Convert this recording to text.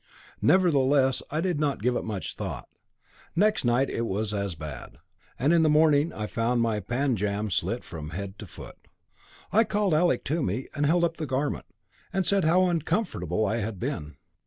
Nevertheless I did not give it much thought. Next night it was as bad, and in the morning I found my panjams slit from head to foot. I called Alec to me and held up the garment, and said how uncomfortable I had been.